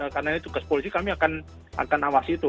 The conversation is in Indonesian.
karena ini tugas polisi kami akan awasi itu